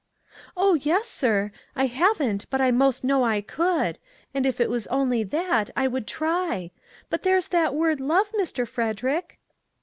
" "Oh, yes sir; I haven't, but I most know I could; and if it was only that, I would try; but there's that word ' love,' Mr. Frederick."